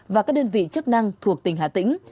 và các đơn vị chức năng thuộc tỉnh hà tĩnh